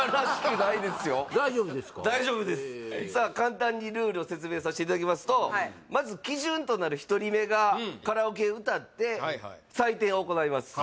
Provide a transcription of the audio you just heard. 大丈夫ですさあ簡単にルールを説明させていただきますとまず基準となる１人目がカラオケ歌って採点を行います